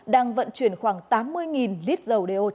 đang vận chuyển khoảng tám mươi đồng